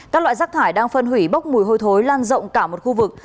các loại rác thải đang phân hủy bốc mùi hôi thối lan rộng cả một khu vực